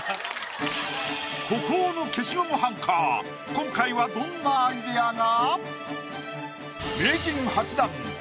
今回はどんなアイディアが？